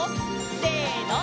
せの！